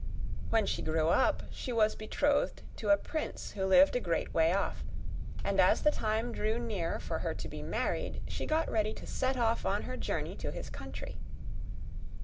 When she grew up, she was betrothed to a prince who lived a great way off; and as the time drew near for her to be married, she got ready to set off on her journey to his country.